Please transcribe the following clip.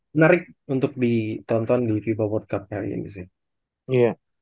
menarik untuk ditonton di fiba world cup kali ini sih